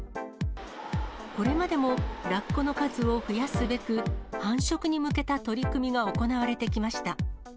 これまでもラッコの数を増やすべく、繁殖に向けた取り組みが行われてきました。